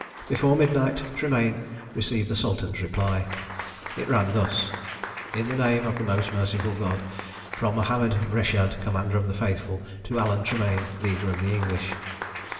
Before midnight, Tremayne received the Sultan's reply. It ran thus In the name of the Most Merciful God. From MOHAMMED RESHAD, Commander of the Faithful, to ALAN TREMAYNE, Leader of the English.